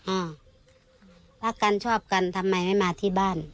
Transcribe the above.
อ้าวรักกันชอบกันทำไมไม่มาที่บ้าน